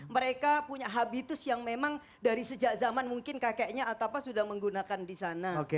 mereka punya habitus yang memang dari sejak zaman mungkin kakeknya atau apa sudah menggunakan di sana